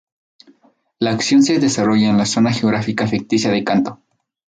La acción se desarrolla en la zona geográfica ficticia de Kanto.